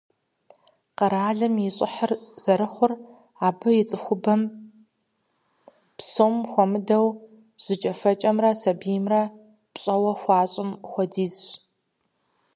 Къэралым и щӀыхьыр зэрыхъур абы ис цӀыхубэм, псом хуэмыдэу, жьыкӏэфэкӏэмрэ сабиймрэ пщӀэуэ хуащӀым хуэдизщ.